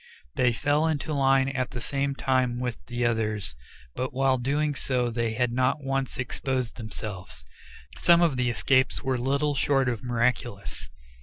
They fell into line at the same time with the others, but while doing so they had not once exposed themselves. Some of the escapes were little short of miraculous.